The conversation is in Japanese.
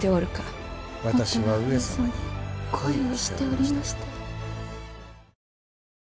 もとは上様に恋をしておりましたよ。